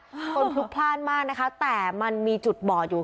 คนพลุกพลาดมากนะคะแต่มันมีจุดบอดอยู่